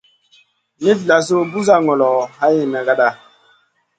Mitlasou busa ŋolo hay nagata.